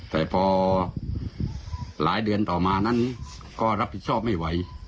แต่พอหลายเดือนต่อมานั้นก็รับผิดชอบไม่ไหว